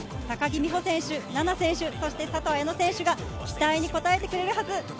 高木美帆選手、菜那選手、そして佐藤綾乃選手が期待に応えてくれるはず。